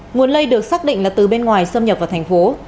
nguồn lây được xác định là từ bên ngoài xâm nhập vào thành phố